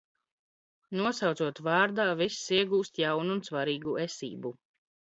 Nosaucot v?rd?, viss ieg?st jaunu un svar?gu es?bu.